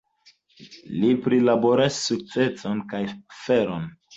Li prilaboras sukcenon kaj feron.